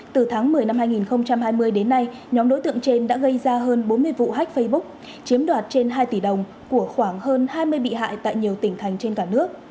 từ tháng một mươi năm hai nghìn hai mươi đến nay nhóm đối tượng trên đã gây ra hơn bốn mươi vụ hách facebook chiếm đoạt trên hai tỷ đồng của khoảng hơn hai mươi bị hại tại nhiều tỉnh thành trên cả nước